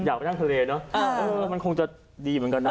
อยากไปนั่งทะเลมันคงจะดีเหมือนกัน